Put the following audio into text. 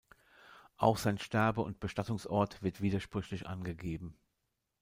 Auch sein Sterbe- und Bestattungsort wird widersprüchlich angegeben.